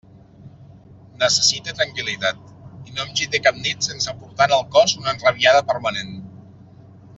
Necessite tranquil·litat, i no em gite cap nit sense portar en el cos una enrabiada permanent.